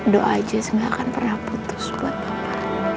do'a aja jus enggak akan pernah putus buat papa